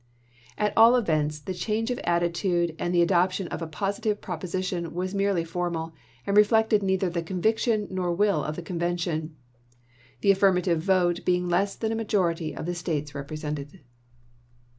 At all events the change of attitude and the adoption of a positive proposition was merely formal and reflected neither the conviction nor will of the convention ; the affirmative vote being less than a majority of the States represented.